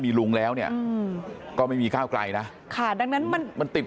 มีลุงแล้วเนี่ยก็ไม่มีก้าวไกลนะค่ะดังนั้นมันมันติด